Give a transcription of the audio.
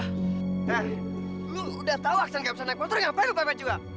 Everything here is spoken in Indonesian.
hah lo udah tau aksan ga bisa naik motor gapapa ya lo